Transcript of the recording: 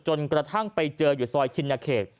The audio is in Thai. กระทั่งไปเจออยู่ซอยชินเขต